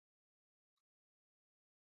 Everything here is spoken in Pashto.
پسه د افغانستان د امنیت په اړه هم اغېز لري.